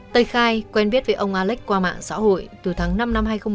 tây khai quen biết với ông alex qua mạng xã hội từ tháng năm năm hai nghìn một mươi ba